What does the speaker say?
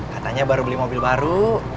katanya baru beli mobil baru